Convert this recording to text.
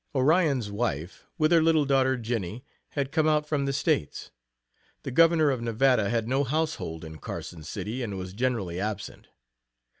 Orion's wife, with her little daughter, Jennie, had come out from the States. The Governor of Nevada had no household in Carson City, and was generally absent.